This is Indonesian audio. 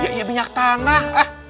ya ya minyak tanah